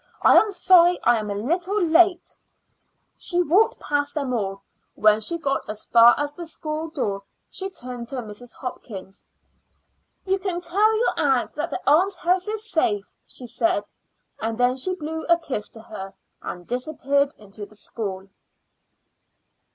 I am sorry I am a little late." She walked past them all. When she got as far as the school door she turned to Mrs. Hopkins. "You can tell your aunt that the almshouse is safe," she said, and then she blew a kiss to her and disappeared into the school.